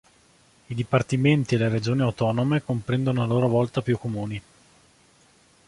I dipartimenti e le regioni autonome comprendono a loro volta più comuni.